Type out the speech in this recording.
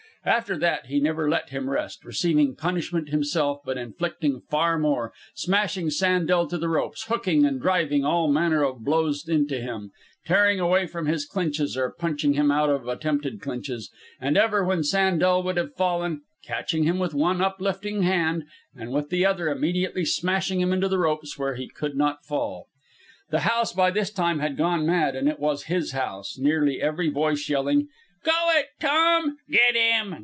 After that he never let him rest, receiving punishment himself, but inflicting far more, smashing Sandel to the ropes, hooking and driving all manner of blows into him, tearing away from his clinches or punching him out of attempted clinches, and ever when Sandel would have fallen, catching him with one uplifting hand and with the other immediately smashing him into the ropes where he could not fall. The house by this time had gone mad, and it was his house, nearly every voice yelling: "Go it, Tom!" "Get 'im!